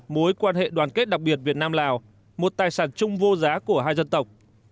mối quan hệ đoàn kết đặc biệt việt nam lào một tài sản chung vô giá của hai dân tộc